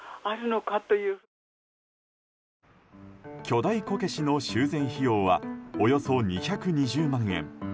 巨大こけしの修繕費用はおよそ２２０万円。